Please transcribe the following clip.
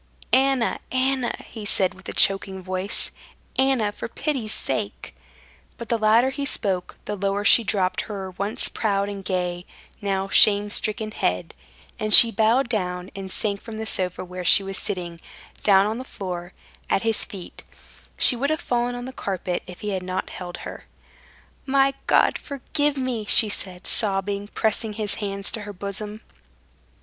"Anna! Anna!" he said with a choking voice, "Anna, for pity's sake!..." But the louder he spoke, the lower she dropped her once proud and gay, now shame stricken head, and she bowed down and sank from the sofa where she was sitting, down on the floor, at his feet; she would have fallen on the carpet if he had not held her. "My God! Forgive me!" she said, sobbing, pressing his hands to her bosom.